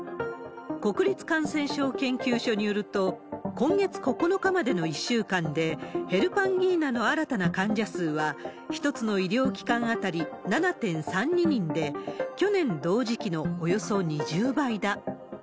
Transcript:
国立感染症研究所によると、今月９日までの１週間で、ヘルパンギーナの新たな患者数は、一つの医療機関当たり７．３２人で、去年同時期のおよそ２０倍だ。